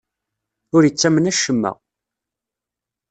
Ur ittamen acemma.